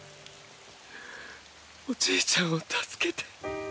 おじいちゃんを助けて。